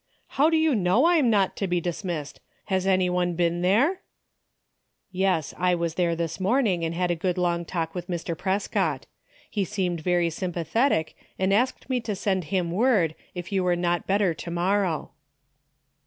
" How do you know I'm not to be dismissed ? Has any one been there ?"" Yes, I was there this morning and* had a good long talk with Mr. Prescott. He seemed very sympathetic and asked me to send him word, if you were not better to morrow."